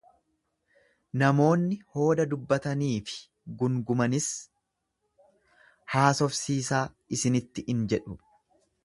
Namoonni hooda dubbatanii fi gungumanis haasofsiisaa isinitti in jedhu.